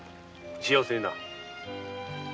幸せにな。